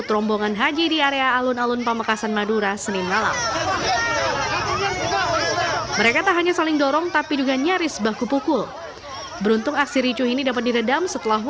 rombongan haji di pamekasan madura senin malam